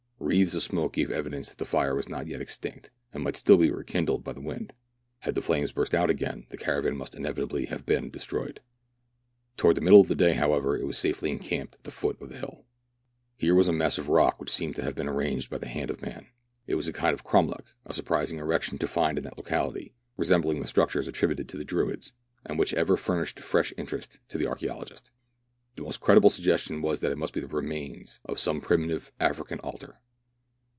Wreaths of smoke gave evidence that the fire was not yet extinct, and might still be rekindled by the wind. Had the flames burst out again the cara van must inevitably have been destroyed. Towards the middle of the day, however, it was safely encamped at the foot of the hill. Here was a mass of rock which seemed to 128 MERIDIANA; THE ADVENTURES OF have been arranged by the hand of man. It was a kind of cromlech — a surprising erection to find in that locaHty — resembling the structures attributed to the Druids, and which ever furnish fresh interest to the archaeologist. The most credible suggestion was that it must be the remains of some primitive African altar.